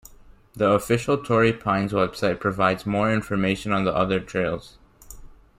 The official Torrey Pines website provides more information on the other trails.